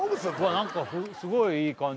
何かすごいいい感じ